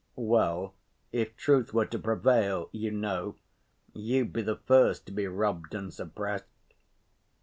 "Well, if Truth were to prevail, you know, you'd be the first to be robbed and suppressed."